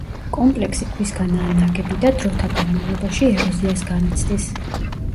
კომპლექსი ქვისგანაა ნაგები და დროთა განმავლობაში ეროზიას განიცდის.